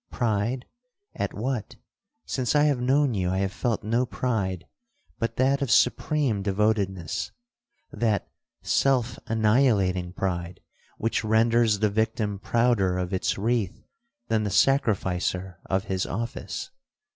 '—'Pride! at what? Since I have known you, I have felt no pride but that of supreme devotedness,—that self annihilating pride which renders the victim prouder of its wreath, than the sacrificer of his office.'